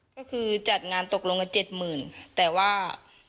ก็คือจัดงานตกลงกับ๗๐๐๐๐แต่ว่า